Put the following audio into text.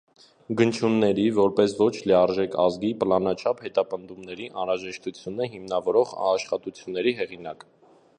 Գնչուների՝ որպես «ոչ լիարժեք ազգի» պլանաչափ հետապնդումների անհրաժեշտությունը հիմնավորող աշխատությունների հեղինակ։